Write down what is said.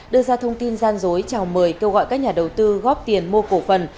đưa ra thông tin gian dối chào mời kêu gọi các nhà đầu tư góp tiền mua cổ phần